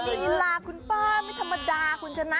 ลีลาคุณป้าไม่ธรรมดาคุณชนะ